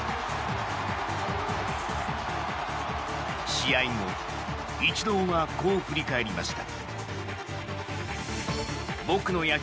試合後、イチローはこう振り返りました。